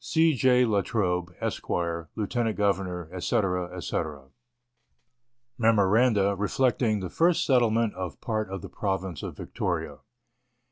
C. J. La Trobe, Esq., Lieutenant Governor, &c., &c. MEMORANDA RESPECTING THE FIRST SETTLEMENT OF PART OF THE PROVINCE OF VICTORIA.